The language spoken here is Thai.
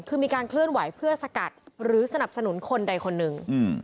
คือมีการเคลื่อนไหวเพื่อสกัดหรือสนับสนุนคนใดคนหนึ่ง